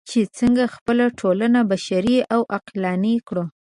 چې څنګه خپله ټولنه بشري او عقلاني کړو.